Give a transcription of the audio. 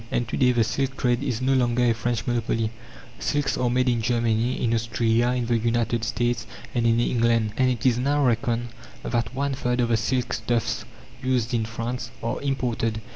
And to day the silk trade is no longer a French monopoly. Silks are made in Germany, in Austria, in the United States, and in England, and it is now reckoned that one third of the silk stuffs used in France are imported.